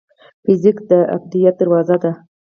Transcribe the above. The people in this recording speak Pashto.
فزیک د ابدیت دروازه ده.